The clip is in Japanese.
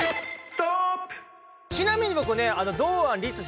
ちなみに僕ね。